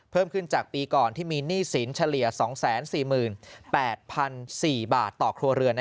เพิ่มขึ้นจากปีก่อนที่มีหนี้สินเฉลี่ย๒๔๘๔บาทต่อครัวเรือน